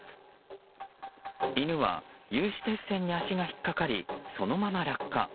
犬は、有刺鉄線に足が引っかかりそのまま落下。